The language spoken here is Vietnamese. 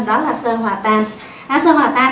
đó là sơ hòa tan